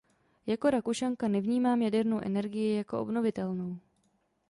Jako Rakušanka nevnímám jadernou energii jako obnovitelnou.